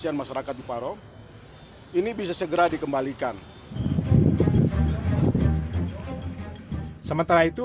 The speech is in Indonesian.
tapi sampai hari ini belum ada permintaan atau seperti itu